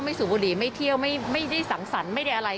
สูบบุหรี่ไม่เที่ยวไม่ได้สังสรรค์ไม่ได้อะไร